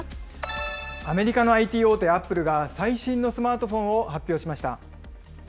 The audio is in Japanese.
アメリカのＩＴ大手、アップルが最新のスマートフォンを発表しました。